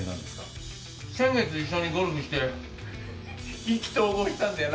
先月一緒にゴルフして意気投合したんだよな。